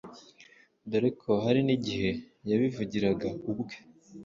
dore ko hari n’igihe yabivuriraga ubwe